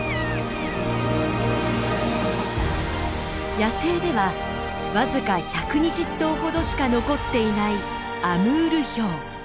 野生では僅か１２０頭ほどしか残っていないアムールヒョウ。